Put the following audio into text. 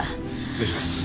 失礼します。